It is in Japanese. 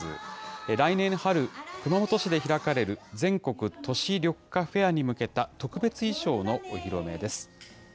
来年春、熊本市で開かれる全国都市緑化フェアに向けた特別衣装のお披露目です。